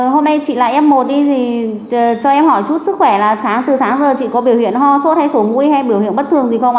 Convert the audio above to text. hôm nay chị lại f một đi cho em hỏi chút sức khỏe là từ sáng giờ chị có biểu hiện ho sốt hay sổ nguôi hay biểu hiện bất thường gì không ạ